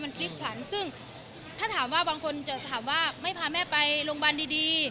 พลิกผลันซึ่งถ้าถามว่าบางคนจะถามว่าไม่พาแม่ไปโรงพยาบาลดี